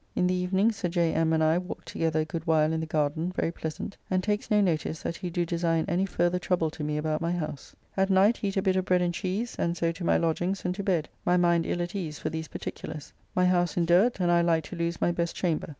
In the evening Sir J. M. and I walked together a good while in the garden, very pleasant, and takes no notice that he do design any further trouble to me about my house. At night eat a bit of bread and cheese, and so to my lodgings and to bed, my mind ill at ease for these particulars: my house in dirt, and like to lose my best chamber.